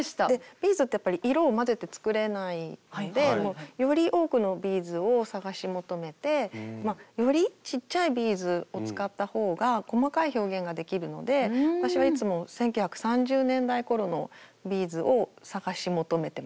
ビーズってやっぱり色を混ぜて作れないのでより多くのビーズを探し求めてよりちっちゃいビーズを使った方が細かい表現ができるので私はいつも１９３０代ごろのビーズを探し求めてます。